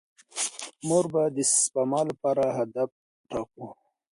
موږ به د سپما لپاره هدف ټاکو.